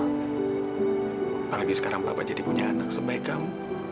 apalagi sekarang bapak jadi punya anak sebaik kamu